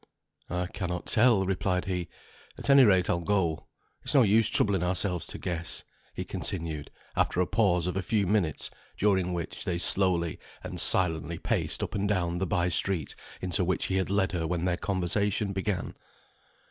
"I cannot tell," replied he. "At any rate I'll go. It's no use troubling ourselves to guess," he continued, after a pause of a few minutes, during which they slowly and silently paced up and down the by street, into which he had led her when their conversation began.